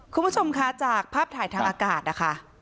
คุณผู้ชมคะจากภาพถ่ายทางอากาศนะคะ